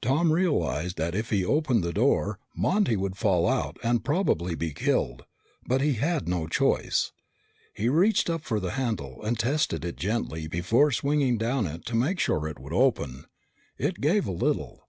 Tom realized that if he opened the door, Monty would fall out and probably be killed, but he had no choice. He reached up for the handle and tested it gently before swinging down on it to make sure it would open. It gave a little.